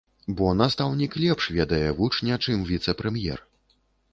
Бо настаўнік лепш ведае вучня, чым віцэ-прэм'ер.